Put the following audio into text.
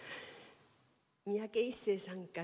三宅一生さんから。